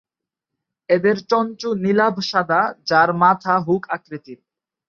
এদের চঞ্চু নীলাভ সাদা যার মাথা হুক আকৃতির।